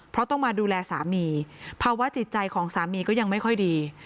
เพราะต้องมาดูแลสามีภาวะจิตใจของสามีก็ยังไม่ค่อยดี